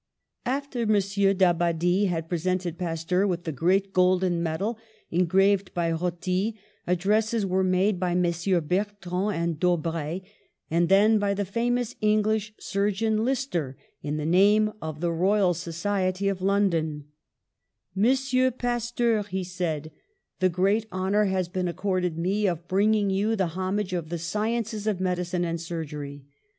After M. d'Abbadie had presented Pasteur with the great golden medal engraved by Roty, addresses were made by Messrs. Bertrand and Daubree, and then by the famous English sur geon. Lister, in the name of the Royal Society of London. THE SUPREME HOMAGE 195 "Monsieur Pasteur/' he said, '^the great hon our has been accorded me of bringing you the homage of the sciences of medicine and sur gery.